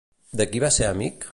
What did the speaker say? De qui va ser amic?